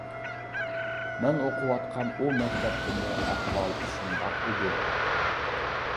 مەن ئوقۇۋاتقان ئۇ مەكتەپتىمۇ ئەھۋال شۇنداق ئىدى.